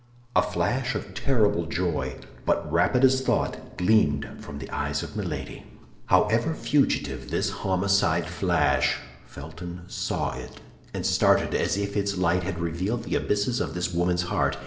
A flash of terrible joy, but rapid as thought, gleamed from the eyes of Milady. However fugitive this homicide flash, Felton saw it, and started as if its light had revealed the abysses of this woman's heart.